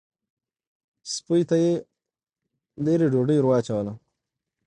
سپۍ ته یې لېرې ډوډۍ ور واچوله.